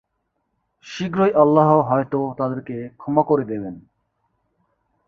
শীঘ্রই আল্লাহ হয়ত তাদেরকে ক্ষমা করে দেবেন।